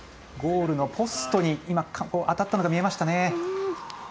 ゴールのポストに当たったのが見えましたね。